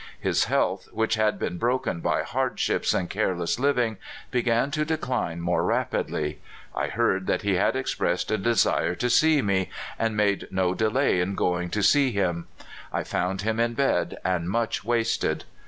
His health, which had been broken by hardships and careless living, began to decline more rapidly. I heard that he had expressed a desire to see me, and made no delay in going to see him. I found him in bed and much wasted.